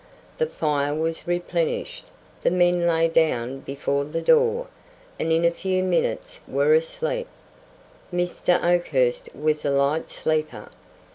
The fire was replenished, the men lay down before the door, and in a few minutes were asleep. Mr. Oakhurst was a light sleeper.